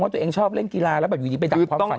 ว่าตัวเองชอบเล่นกีฬาแล้วอยู่ดีไปดับความฝันคุณเด็ก